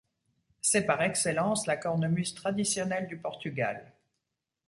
C'est par excellence la cornemuse traditionnelle du Portugal.